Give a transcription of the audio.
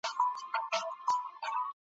د ترهکي او امین کانه در ياد کړه.